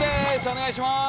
お願いします。